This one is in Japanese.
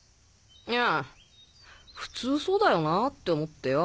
いや普通そうだよなって思ってよ！